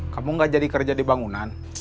kamu gak jadi kerja di bangunan